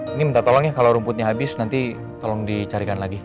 ini minta tolong ya kalau rumputnya habis nanti tolong dicarikan lagi